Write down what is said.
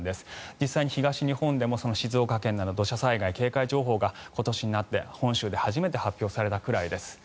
実際に東日本でも静岡県など土砂災害警戒情報が今年になって本州で初めて発表されたぐらいです。